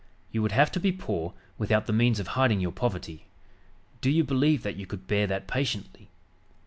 You would have to be poor without the means of hiding your poverty. Do you believe that you could bear that patiently?